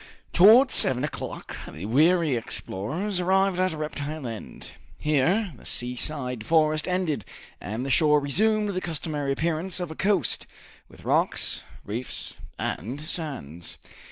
Towards seven o'clock the weary explorers arrived at Reptile End. Here the seaside forest ended, and the shore resumed the customary appearance of a coast, with rocks, reefs, and sands.